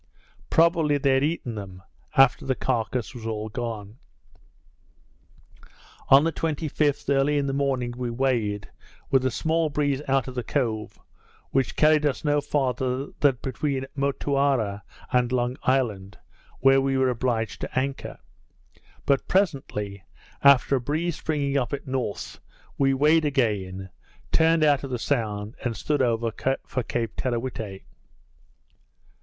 Probably they had eaten them, after the carcase was all gone. On the 25th, early in the morning, we weighed, with a small, breeze out of the cove, which carried us no farther than between Motuara and Long Island, where we were obliged to anchor; but presently after a breeze springing up at north, we weighed again, turned out of the Sound, and stood over for Cape Teerawhitte.